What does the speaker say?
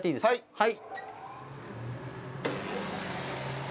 はい。